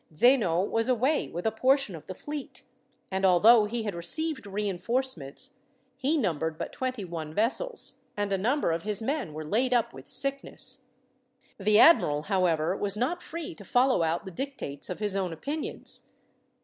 Zeno was away with a portion of the fleet, and although he had received reinforcements, he numbered but twenty one vessels, and a number of his men were laid up with sickness. The admiral, however, was not free to follow out the dictates of his own opinions.